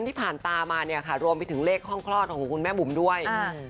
ที่ผ่านมาตามาเนี่ยค่ะรวมไปถึงเลขห้องคลอดของคุณแม่บุ๋มด้วยอืม